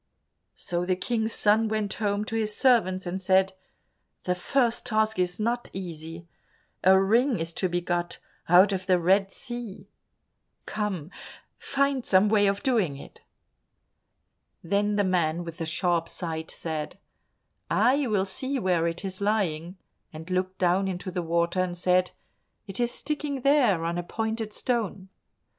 So the King's son went home to his servants and said, "The first task is not easy. A ring is to be got out of the Red Sea. Come, find some way of doing it." Then the man with the sharp sight said, "I will see where it is lying," and looked down into the water and said, "It is sticking there, on a pointed stone."